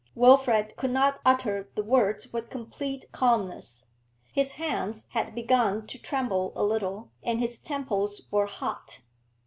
Wilfrid could not utter the words with complete calmness; his hands had begun to tremble a little, and his temples were hot.